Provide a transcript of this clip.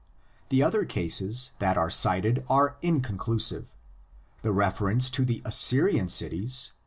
The other cases that are cited are inconclusive: the reference to the Assyrian cities (x.